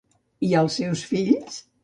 I als seus fills?